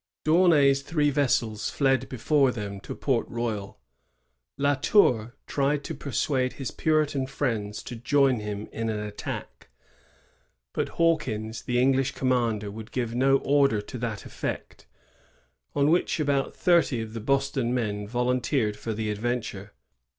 D'Aunay's three vessels fled before them to Port Royal. La Tour tried to per suade his Puritan friends to join him in an attack; but Hawkins, the English conmiander, would give no order to that effect, on which about thirty of the Boston men volunteered for the adventure.